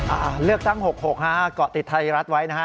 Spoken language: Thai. อ่าเลือกตั้งหกหกฮะเกาะติดไทยรัฐไว้นะฮะ